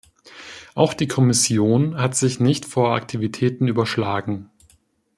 Auch die Kommission hat sich nicht vor Aktivitäten überschlagen.